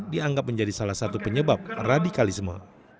dianggap menjadi salah satu penyebab radikalisme